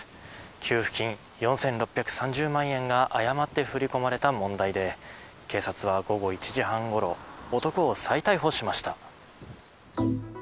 給付金４６３０万円が誤って振り込まれた問題で警察は午後１時半ごろ男を再逮捕しました。